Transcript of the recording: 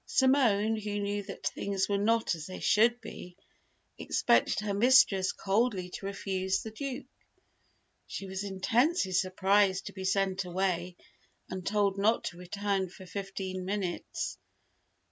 Simone, who knew that things were not as they should be, expected her mistress coldly to refuse the Duke. She was intensely surprised to be sent away and told not to return for fifteen minutes.